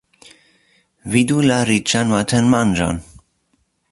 Vidu la riĉan matenmanĝon.